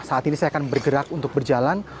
saat ini saya akan bergerak untuk berjalan